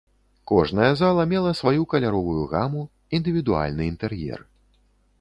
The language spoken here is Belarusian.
Кожная зала мела сваю каляровую гаму, індывідуальны інтэр'ер.